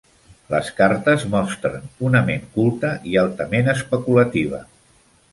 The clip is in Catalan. Les cartes mostren una ment culta i altament especulativa.